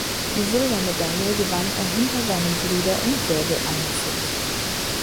Die Silbermedaille gewann er hinter seinem Bruder im Säbeleinzel.